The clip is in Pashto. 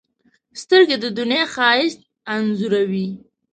سترګې د دنیا ښایست انځوروي